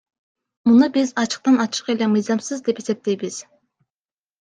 Биз муну ачыктан ачык эле мыйзамсыз деп эсептейбиз.